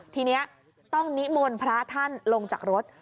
ทีนี้ต้องนิมนต์พระท่านลงจากรถ